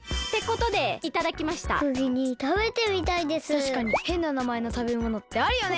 たしかにへんな名前のたべものってあるよね。